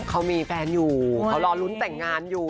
เขามีแฟนอยู่เขารอลุ้นแต่งงานอยู่